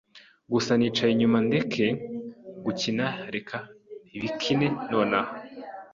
Gusa nicaye inyuma ndeke gukina Reka bikine nonaha